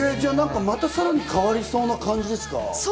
またさらに変わりそうな感じですか？